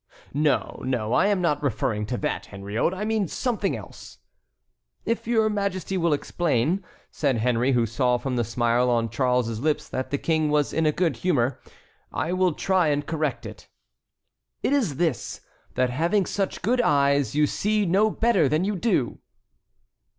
"No, no, I am not referring to that, Henriot, I mean something else." "If your Majesty will explain," said Henry, who saw from the smile on Charles's lips that the King was in a good humor, "I will try and correct it." "It is this, that having such good eyes, you see no better than you do."